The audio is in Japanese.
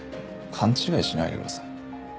勘違いしないでください。